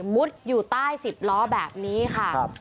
มุดอยู่ใต้๑๐ล้อแบบนี้ค่ะ